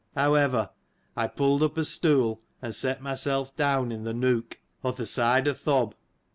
How ever, I pulled up a stool, and, set myself down in the nook, o' tW side a' th' hoh.